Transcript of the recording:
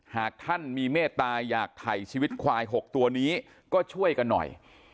หากท่านมีเมตตาอยากถ่ายชีวิตควาย๖ตัวนี้ก็ช่วยกันหน่อย